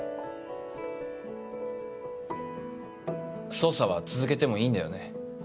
捜査は続けてもいいんだよね？